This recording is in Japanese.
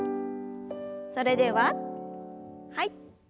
それでははい。